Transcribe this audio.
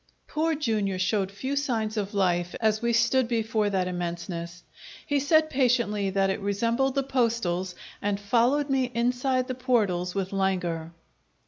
Poor Jr. showed few signs of life as we stood before that immenseness; he said patiently that it resembled the postals, and followed me inside the portals with languor.